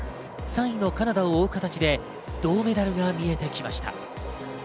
３位のカナダを追う形で銅メダルが見えてきました。